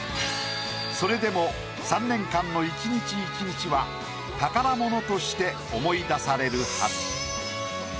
それでも３年間の一日一日は宝物として思い出されるはず。